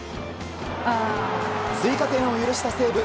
追加点を許した西武。